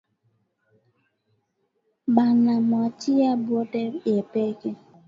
Bana mwachiya byote yepeke